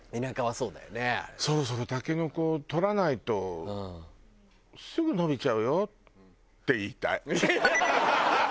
「そろそろタケノコ採らないとすぐ伸びちゃうよ」って言いたい。